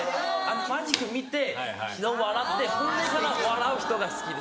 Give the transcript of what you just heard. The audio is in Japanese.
マジック見て笑って本音から笑う人が好きです。